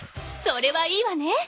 それはいいわね。